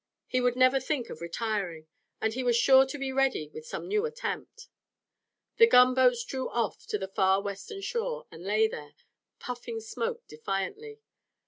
He would never think of retiring, and he was sure to be ready with some new attempt. The gunboats drew off to the far western shore and lay there, puffing smoke defiantly.